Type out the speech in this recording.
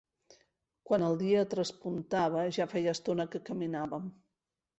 Quan el dia traspuntava ja feia estona que caminàvem.